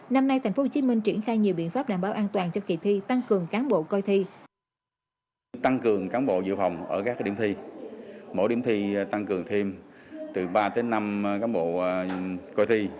năm nay tp hcm triển khai nhiều biện pháp đảm bảo an toàn cho kỳ thi tăng cường cán bộ coi thi